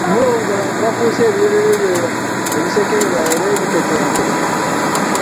Mulowooza bano tebafuuse ebyerolerwa, ebisekererwa era ebikekenke ?